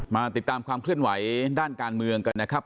มาติดตามความเคลื่อนไหวด้านการเมืองกันนะครับ